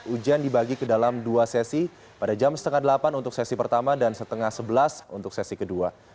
ujian dibagi ke dalam dua sesi pada jam setengah delapan untuk sesi pertama dan setengah sebelas untuk sesi kedua